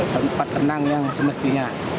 tempat renang yang semestinya